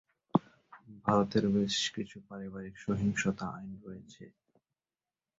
ভারতে বেশ কিছু পারিবারিক সহিংসতা আইন রয়েছে।